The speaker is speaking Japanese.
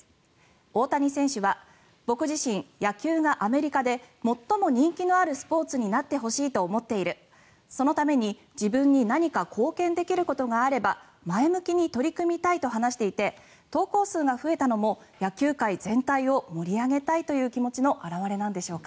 大谷選手は僕自身、野球がアメリカで最も人気のあるスポーツになってほしいと思っているそのために自分に何か貢献できることがあれば前向きに取り組みたいと話していて投稿数が増えたのも野球界全体を盛り上げたいという気持ちの表れなんでしょうか。